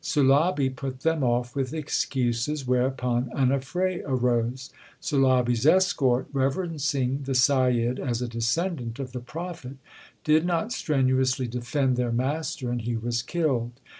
Sulabi put them off with excuses, whereupon an affray arose. Sulabi s escort, reverencing the Saiyid as a descendant of the Prophet, did not strenuously defend their master, and he was killed.